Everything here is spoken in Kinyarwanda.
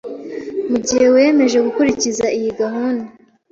Mu gihe wiyemeje gukurikiza iyi gahunda